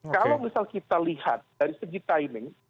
kalau misal kita lihat dari segi timing